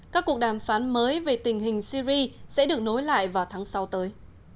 các cuộc đàm phán mới về tình hình syri sẽ được nối lại vào tháng sáu tới